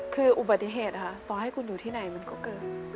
คืออุบัติเหตุต่อให้คุณอยู่ที่ไหนมันก็เกิด